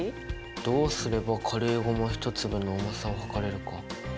どうすれば軽いゴマ１粒の重さを量れるか。